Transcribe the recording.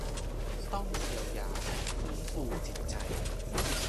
ต้องเยียวยาและฟื้นฟูจิตใจ